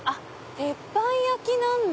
鉄板焼きなんだ。